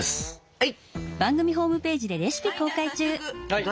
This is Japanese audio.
はい。